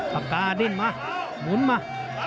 ปากกาดิ้นมาหมุนมา